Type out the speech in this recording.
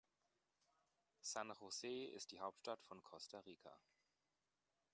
San José ist die Hauptstadt von Costa Rica.